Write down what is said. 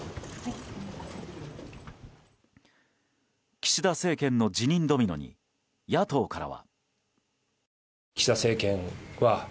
岸田政権の辞任ドミノに野党からは。